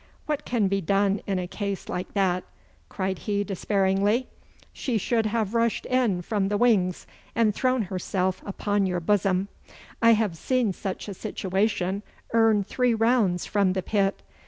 What can be done in a case like that?' cried he despairingly. 'She should have rushed in from the wings and thrown herself upon your bosom. I have seen such a situation earn three rounds from the pit.